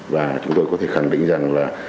và chúng tôi có thể khẳng định rằng là